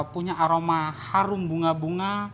punya aroma harum bunga bunga